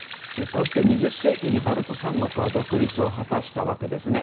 こうして２０世紀にバルト三国は独立を果たしたわけですね。